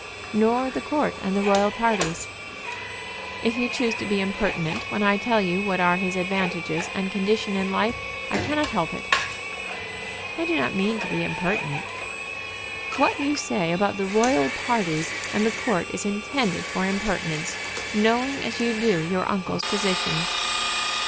"Nor the court and the royal parties." "If you choose to be impertinent when I tell you what are his advantages and condition in life, I cannot help it." "I do not mean to be impertinent." "What you say about the royal parties and the court is intended for impertinence, knowing as you do know your uncle's position."